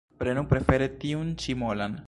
Prenu prefere tiun ĉi molan